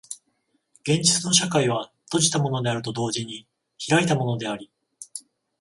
現実の社会は閉じたものであると同時に開いたものであり、